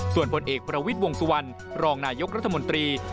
ส่วนผลเอกประวิทย์วงสุวรรณรองนายกรัฐมนตรี